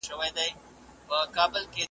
بيا به ګورئ بيا به وينئ .